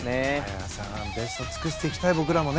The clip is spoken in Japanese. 綾さん、ベストを尽くしていきたい、僕らも。